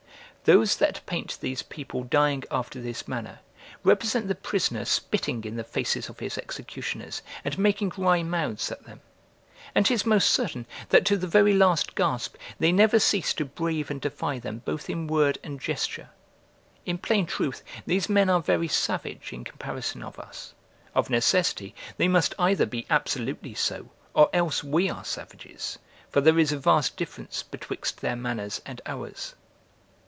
Those that paint these people dying after this manner, represent the prisoner spitting in the faces of his executioners and making wry mouths at them. And 'tis most certain, that to the very last gasp, they never cease to brave and defy them both in word and gesture. In plain truth, these men are very savage in comparison of us; of necessity, they must either be absolutely so or else we are savages; for there is a vast difference betwixt their manners and ours.